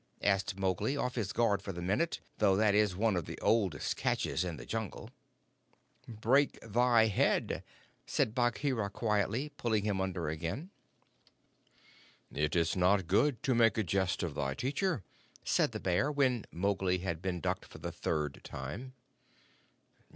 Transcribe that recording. said Mowgli, off his guard for the minute, though that is one of the oldest catches in the Jungle. "Break thy head," said Bagheera quietly, pulling him under again. "It is not good to make a jest of thy teacher," said the bear, when Mowgli had been ducked for the third time.